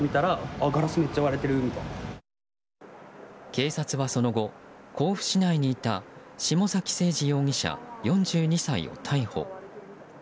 警察はその後、甲府市内にいた下崎星児容疑者、４２歳を逮捕。